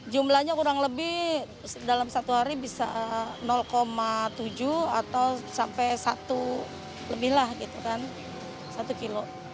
jumlahnya kurang lebih dalam satu hari bisa tujuh atau sampai satu lebih lah gitu kan satu kilo